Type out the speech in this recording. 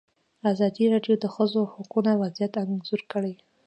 ازادي راډیو د د ښځو حقونه وضعیت انځور کړی.